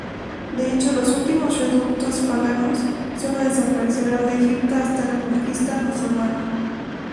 De hecho, los últimos reductos paganos sólo desaparecerán de Egipto hasta la conquista musulmana.